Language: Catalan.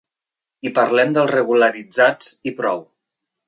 I parlem dels regularitzats i prou.